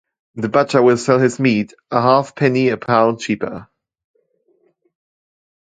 The butcher will sell his meat a halfpenny a pound cheaper.